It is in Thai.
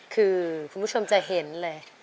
คือคุณผู้ชมจะเห็นเลย